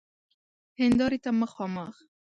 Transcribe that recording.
هیندارې ته مخامخ